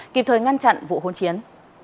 kịp thời ngăn chặn vụ hôn chiến